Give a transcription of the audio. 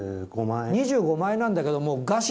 ２５万円なんだけど。